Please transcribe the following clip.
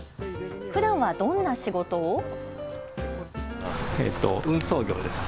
ふだんはどんな仕事を？